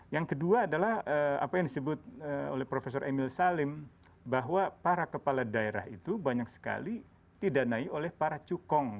yang kedua adalah apa yang disebut oleh prof emil salim bahwa para kepala daerah itu banyak sekali didanai oleh para cukong